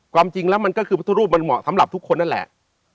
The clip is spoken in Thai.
ความจริงแล้วมันก็คือพุทธรูปมันเหมาะสำหรับทุกคนนั่นแหละ